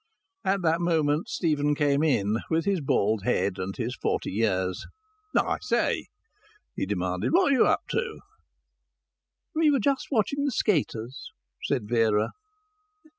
At that moment Stephen came in, with his bald head and his forty years. "I say!" he demanded. "What are you up to?" "We were just watching the skaters," said Vera.